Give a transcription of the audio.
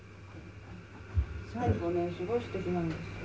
最後ねすごいすてきなんですよ。